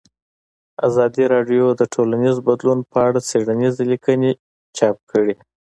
ازادي راډیو د ټولنیز بدلون په اړه څېړنیزې لیکنې چاپ کړي.